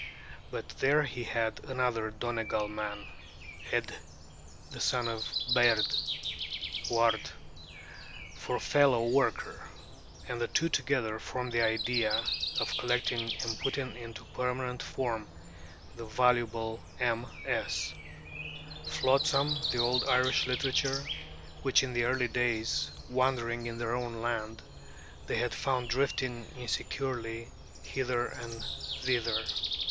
But there he had another Donegal man, Ædh the son of Bháird (Ward), for fellow worker; and the two together formed the idea of collecting and putting into permanent form the valuable MS. flotsam of old Irish literature which in earlier days, wandering in their own land, they had found drifting insecurely hither and thither.